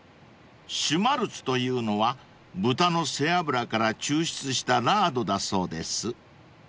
［シュマルツというのは豚の背脂から抽出したラードだそうです］